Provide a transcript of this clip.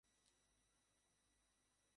কিনারায় যেওনা, সোনা।